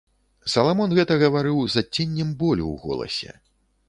Саламон гэта гаварыў з адценнем болю ў голасе.